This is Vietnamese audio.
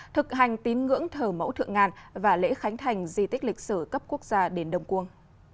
thực hành tín ngưỡng thờ mẫu thượng ngàn và lễ khánh thành di tích lịch sử cấp quốc gia đền đông cuông